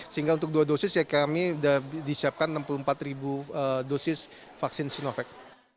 sehingga untuk dua dosis ya kami sudah disiapkan enam puluh empat dosis vaksin sinovac